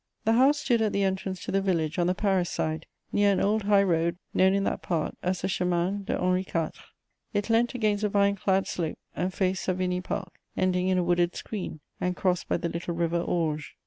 The house stood at the entrance to the village, on the Paris side, near an old high road known in that part as the Chemin de Henri IV.: it leant against a vine clad slope, and faced Savigny Park, ending in a wooded screen, and crossed by the little River Orge.